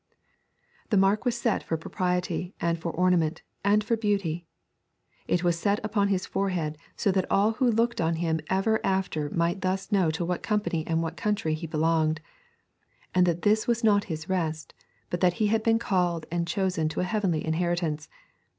The mark was set for propriety and for ornament and for beauty. It was set upon his forehead so that all who looked on him ever after might thus know to what company and what country he belonged, and that this was not his rest, but that he had been called and chosen to a heavenly inheritance.